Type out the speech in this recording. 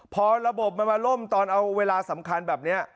พอระบบมันมาล่มตอนเอาเวลาสำคัญแบบนี้